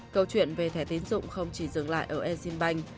câu chuyện về thẻ tiến dụng không chỉ dừng lại ở exim bank